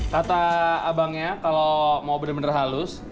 kata abangnya kalau mau bener bener halus